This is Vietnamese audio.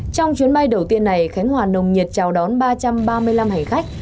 trong chuyến bay đầu tiên này khánh hòa nồng nhiệt chào đón ba trăm ba mươi năm hành khách